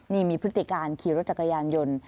นี่มีพฤติการขี่รถจักรยานยนต์